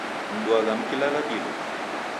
Mduagha mkilala dilo?